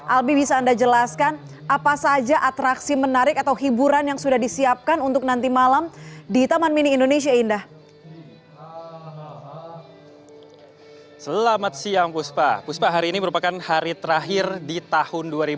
albi bisa anda jelaskan apa saja atraksi menarik atau hiburan yang sudah disiapkan untuk nanti malam di taman mini indonesia indah